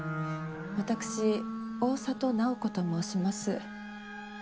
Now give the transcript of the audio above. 私大郷楠宝子と申します。